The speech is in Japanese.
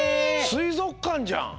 すいぞくかんじゃん！